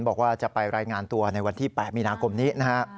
บอกว่าจะไปรายงานตัวในวันที่๘มีนนี้